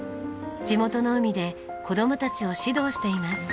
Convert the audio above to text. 地元の海で子供たちを指導しています。